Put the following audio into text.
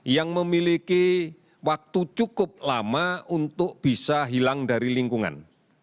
yang memiliki waktu cukup lama untuk bisa hilang dari lingkungan